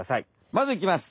まずいきます。